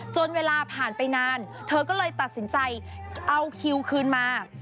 เวลาผ่านไปนานเธอก็เลยตัดสินใจเอาคิวคืนมา